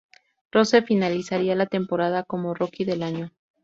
Rose finalizaría la temporada como Rookie del año.